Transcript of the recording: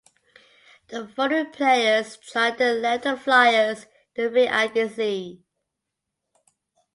The following players joined or left the Flyers during free agency.